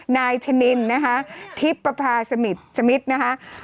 นายชะนินนะฮะทิพย์ประภาษมิตรนะคะ